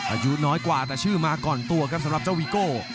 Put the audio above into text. อายุน้อยกว่าแต่ชื่อมาก่อนตัวครับสำหรับเจ้าวีโก้